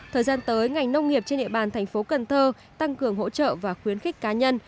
thời gian tới ngành nông nghiệp trên địa bàn tp cn tăng cường hỗ trợ và khuyến khích cá nhân